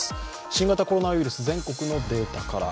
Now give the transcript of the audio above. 新型コロナウイルス全国のデータから。